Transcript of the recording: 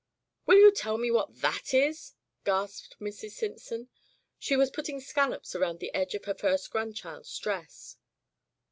"Will you tell me v/hat that is?" gasped Mrs. Simpson. She was putting scallops around the edge of her first grandchild's dress.